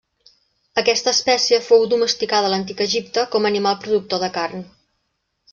Aquesta espècie fou domesticada a l'antic Egipte com a animal productor de carn.